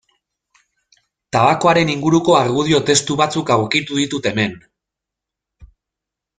Tabakoaren inguruko argudio testu batzuk aurkitu ditut hemen.